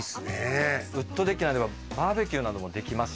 ウッドデッキがバーベキューなどもできまして。